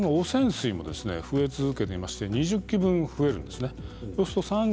汚染水も増え続けていまして２０基分、増えるんです。